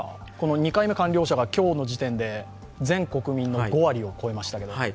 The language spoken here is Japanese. ２回目完了者が、今日の時点で全国民の５割を超えましたけど。